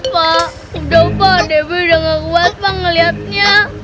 pak udah pak debi udah gak kuat pak ngeliatnya